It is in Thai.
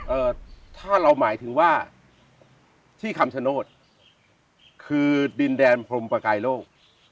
เอ่อถ้าเราหมายถึงว่าที่คำชโนธคือดินแดนพรมประกายโลก